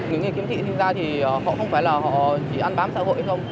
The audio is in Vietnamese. những người kiếm thị sinh ra thì họ không phải là họ chỉ ăn bám xã hội thôi